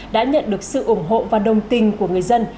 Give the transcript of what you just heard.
đã nhận được sự ủng hộ và đồng tình của người dân